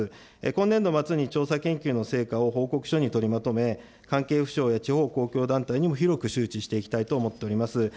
今年度末に調査研究の成果を報告書に取りまとめ、関係府省や地方公共団体にも広く周知していきたいと思っております。